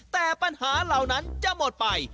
แต่ปัญหาเหล่านั้นจะหมดไป